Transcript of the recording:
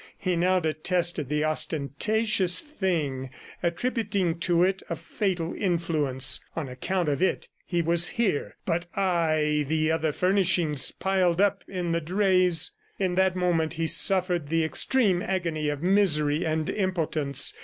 He now detested the ostentatious thing, attributing to it a fatal influence. On account of it he was here. But, ay! ... the other furnishings piled up in the drays! ... In that moment he suffered the extreme agony of misery and impotence.